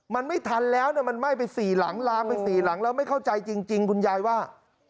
มันไม่ทันแล้วมันไหม้ไป๔หลังลามไป๔หลังแล้วไม่เข้าใจจริงคุณยายว่า